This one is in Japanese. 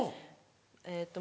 えっと